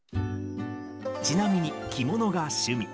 ちなみに着物が趣味。